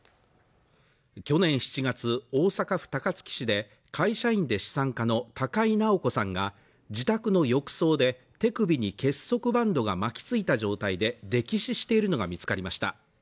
去年７月大阪府高槻市で会社員で資産家の高井直子さんが自宅の浴槽で手首に結束バンドが巻きついた状態で溺死しているのが見つかりました